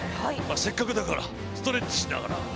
せっかくだからストレッチしながら。